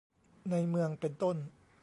ในเมืองเป็นต้น